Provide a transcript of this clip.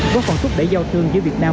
có phòng thúc đẩy giao thương giữa việt nam